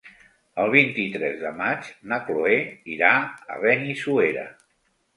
El vint-i-tres de maig na Chloé irà a Benissuera.